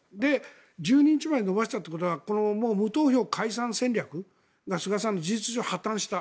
１２日まで延ばしたということは無投票解散戦略が菅さん、事実上破たんした。